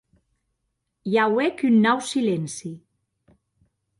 I auec un nau silenci.